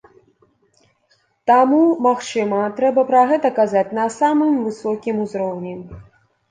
Таму, магчыма, трэба пра гэта казаць на самым высокім узроўні.